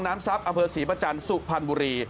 ทรัพย์อำเภอศรีประจันทร์สุพรรณบุรี